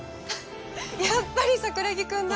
やっぱり桜木くんだ！